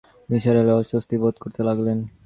নিসার আলি অস্বস্তি বোধ করতে লাগলেন।